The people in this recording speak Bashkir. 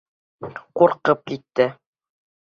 Ҡурҡып китте: